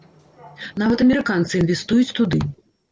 Нават амерыканцы інвестуюць туды.